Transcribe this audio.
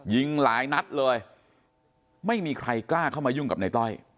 ยิงหลายนัดเลยไม่มีใครกล้าเข้ามายุ่งกับในต้อย